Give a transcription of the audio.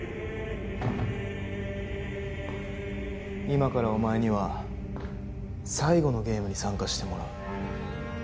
今からお前には最後のゲームに参加してもらう。